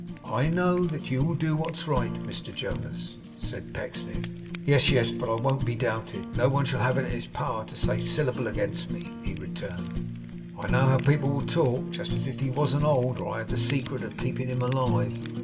'I know that you will do what's right, Mr Jonas,' said Pecksniff. 'Yes, yes, but I won't be doubted. No one shall have it in his power to say a syllable against me,' he returned. 'I know how people will talk. Just as if he wasn't old, or I had the secret of keeping him alive!